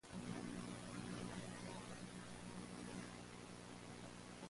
Born in Blackpool, Little grew up in Manchester.